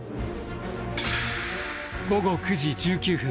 午後９時１９分。